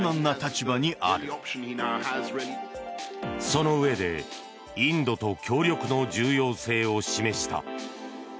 そのうえでインドと協力の重要性を示した。